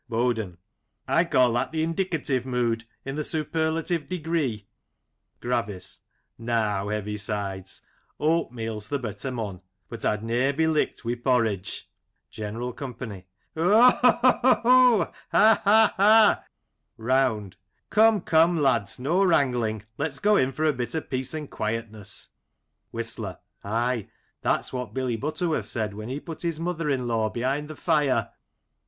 BoDEN : I call that the " indicative mood " in the " super lative degree." Gravis : Now, Heavisides, oatmeal's th' better mon, but I'd ne'er be licked wi' porridge ! General Company : Ho ! ho ! ho ! Ha ! ha ! ha ! Round : Come, come, lads, no wrangling, let's go in for a bit of peace and quietness. Whistler : Ay, that's what Billy Butterworth said when he put his mother in law behind the fire. J An Ambrosial Noon.